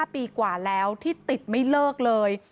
ปีกว่าแล้วที่ติดไม่เลิกเลย